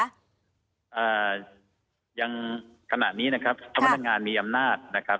อ่ายังขณะนี้นะครับพนักงานมีอำนาจนะครับ